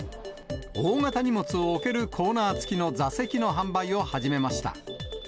大型荷物を置けるコーナー付きの座席の販売を始めました。